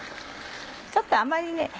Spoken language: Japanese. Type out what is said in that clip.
ちょっとあまりね。